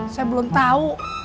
saya belum tahu